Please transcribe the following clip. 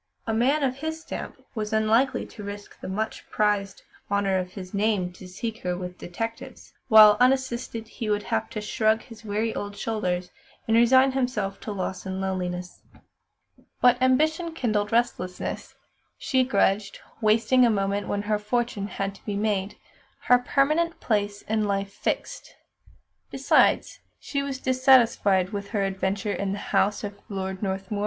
A man of his stamp was unlikely to risk the much prized "honour of his name" to seek her with detectives; while, unassisted, he would have to shrug his weary old shoulders and resign himself to loss and loneliness. But ambition kindled restlessness. She grudged wasting a moment when her fortune had to be made, her permanent place in life fixed. Besides, she was dissatisfied with her adventure in the house of Lord Northmuir.